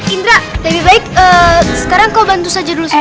indra lebih baik sekarang kau bantu saja dulu sih